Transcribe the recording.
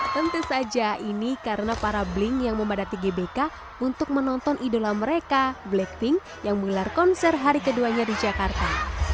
tentu saja ini karena para bling yang memadati gbk untuk menonton idola mereka blackpink yang menggelar konser hari keduanya di jakarta